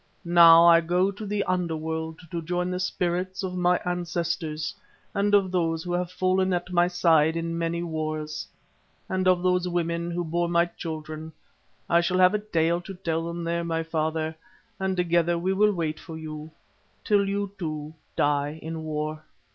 Now I go to the Underworld to join the spirits of my ancestors and of those who have fallen at my side in many wars, and of those women who bore my children. I shall have a tale to tell them there, my father, and together we will wait for you till you, too, die in war!"